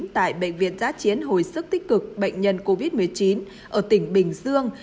tại bệnh viện giã chiến hồi sức tích cực bệnh nhân covid một mươi chín ở tỉnh bình dương